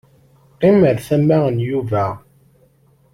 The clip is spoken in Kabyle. Qqim ar tama n Yuba.